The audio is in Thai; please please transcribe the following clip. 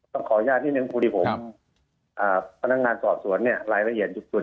ขออนุญาตที่๑ครูดิผมพนักงานสอบสวนเนี่ยรายละเอียดส่วน